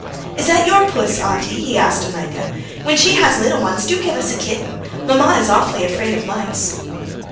"Is that your puss, auntie?" he asked Olenka. "When she has little ones, do give us a kitten. Mamma is awfully afraid of mice."